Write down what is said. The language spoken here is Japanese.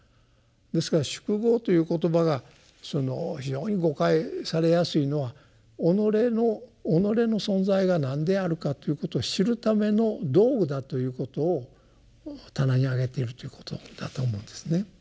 ですから「宿業」という言葉が非常に誤解されやすいのは己の存在が何であるかということを知るための道具だということを棚に上げているということだと思うんですね。